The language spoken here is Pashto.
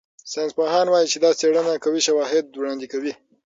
ساینسپوهان وايي چې دا څېړنه قوي شواهد وړاندې کوي.